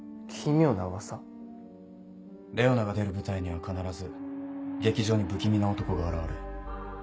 レオナが出る舞台には必ず劇場に不気味な男が現れる。